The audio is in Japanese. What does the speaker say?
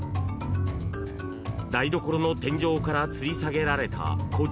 ［台所の天井からつり下げられたこちらの棚］